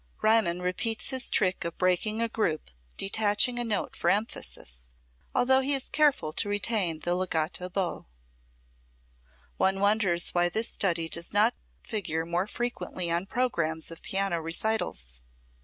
Riemann repeats his trick of breaking a group, detaching a note for emphasis; although he is careful to retain the legato bow. One wonders why this study does not figure more frequently on programmes of piano recitals.